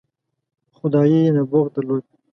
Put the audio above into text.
خدايي نبوغ درلود.